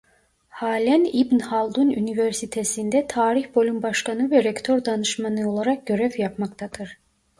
Halen İbn Haldun Üniversitesi'nde Tarih bölüm başkanı ve rektör danışmanı olarak görev yapmaktadır.